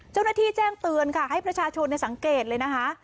เจ้าหน้าที่แจ้งเตือนค่ะให้ประชาชนสังเกตเลยนะคะ